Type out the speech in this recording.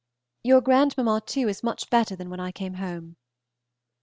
Your grandmamma, too, is much better than when I came home.